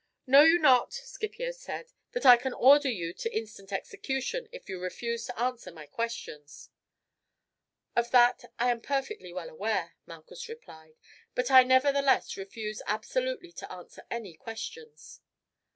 "Know you not," Scipio said, "that I can order you to instant execution if you refuse to answer my questions?" "Of that I am perfectly well aware," Malchus replied; "but I nevertheless refuse absolutely to answer any questions."